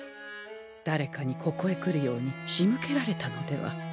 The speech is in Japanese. だれかにここへ来るように仕向けられたのでは？